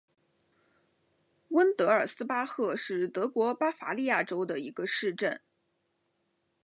温德尔斯巴赫是德国巴伐利亚州的一个市镇。